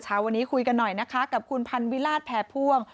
เช้าวันนี้คุยกันหน่อยนะคะกับคุณพันวิราชแพรพ่วง